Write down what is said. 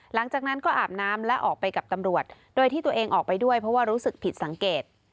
หลังจากนั้นก็อาบน้ำและออกไปกับตำรวจโดยที่ตัวเองออกไปด้วยเพราะว่ารู้สึกผิดสังเกต